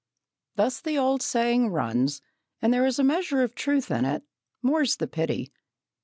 Thus the old saying runs, and there is a measure of truth in it, more's the pity.